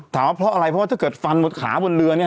ว่าเพราะอะไรเพราะว่าถ้าเกิดฟันบนขาบนเรือเนี่ย